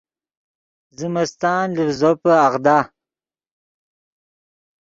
زمستان لڤز زوپے اغدا